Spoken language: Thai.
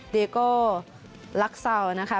เดียโกลักซาวนะคะ